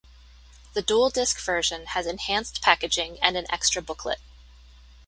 The DualDisc version has enhanced packaging and an extra booklet.